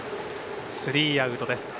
スリーアウトです。